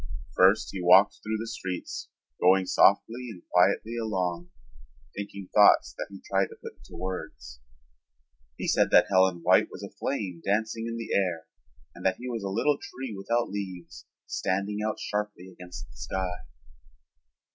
First he walked through the streets, going softly and quietly along, thinking thoughts that he tried to put into words. He said that Helen White was a flame dancing in the air and that he was a little tree without leaves standing out sharply against the sky.